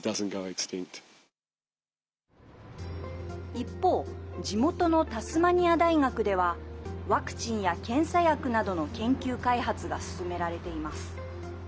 一方、地元のタスマニア大学ではワクチンや検査薬などの研究開発が進められています。